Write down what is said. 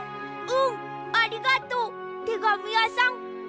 うんありがとうてがみやさん。